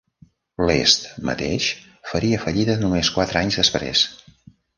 L'est mateix faria fallida només quatre anys després.